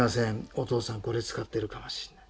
お父さんこれ使ってるかもしれない。